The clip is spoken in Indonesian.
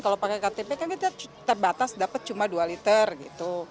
kalau pakai ktp kan kita terbatas dapat cuma dua liter gitu